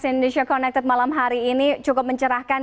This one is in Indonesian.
indonesia connected malam hari ini cukup mencerahkan